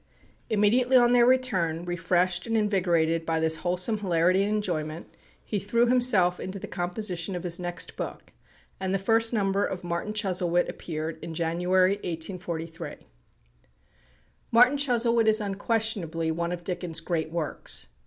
Immediately on their return, refreshed and invigorated by this wholesome hilarity and enjoyment, he threw himself into the composition of his next book, and the first number of "Martin Chuzzlewit" appeared in January, 1843. "Martin Chuzzlewit" is unquestionably one of Dickens' great works.